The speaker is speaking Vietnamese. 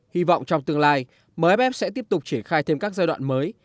hy vọng trong tương lai mf sẽ tiếp tục triển khai thêm các giai đoạn mới